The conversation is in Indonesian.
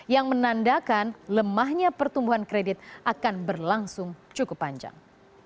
yang menandakan lemahnya pertumbuhan kredit akan berlangsung cukup panjang